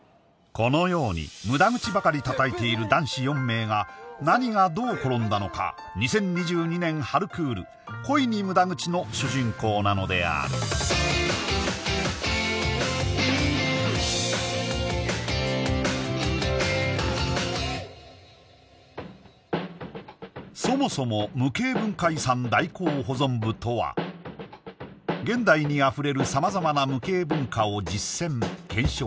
このように無駄口ばかりたたいている男子４名が何がどう転んだのか２０２２年春クール恋に無駄口の主人公なのであるそもそも無形文化遺産代行保存部とは現代に溢れる様々な無形文化を実践検証